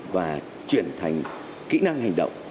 và chuyển thành kĩ năng hành động